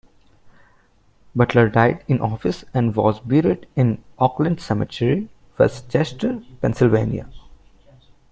Butler died in office and was buried in Oaklands Cemetery, West Chester, Pennsylvania.